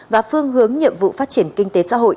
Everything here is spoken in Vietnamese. và phương hướng nhiệm vụ phát triển kinh tế xã hội